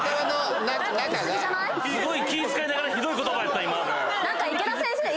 すごい気ぃ使いながらひどい言葉やった今。